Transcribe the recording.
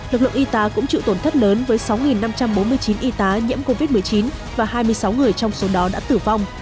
lực lượng y tá cũng chịu tổn thất lớn với sáu năm trăm bốn mươi chín y tá nhiễm covid một mươi chín và hai mươi sáu người trong số đó đã tử vong